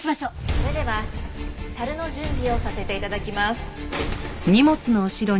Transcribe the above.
それでは樽の準備をさせて頂きます。